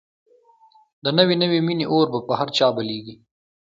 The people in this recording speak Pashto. د نوې نوې مینې اور به په هر چا بلېږي